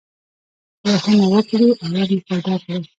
که بخښنه وکړې، ارام به پیدا کړې.